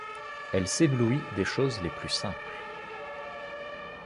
Elle s'éblouit des choses les plus simples.